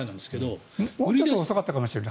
もうちょっと遅かったかな